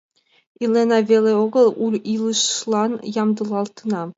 Илена веле огыл, у илышлан ямдылалтына.